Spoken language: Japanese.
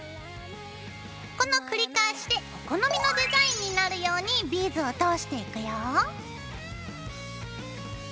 この繰り返しでお好みのデザインになるようにビーズを通していくよ。